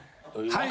「はい」